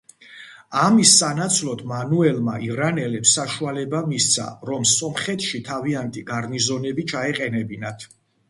ამის სანაცვლოდ მანუელმა ირანელებს საშუალება მისცა, რომ სომხეთში თავიანთი გარნიზონები ჩაეყენებინათ.